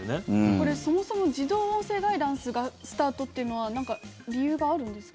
これ、そもそも自動音声ガイダンスがスタートっていうのは理由があるんですか？